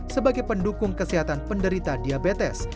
sebagai pendukung kesehatan penderita diabetes